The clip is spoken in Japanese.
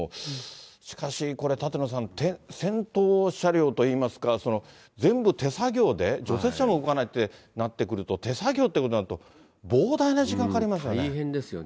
しかしこれ、舘野さん、先頭車両といいますか、全部、手作業で、除雪車も動かないってなってくると、手作業ということになると、大変ですよね。